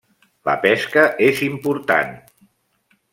La pesca és important.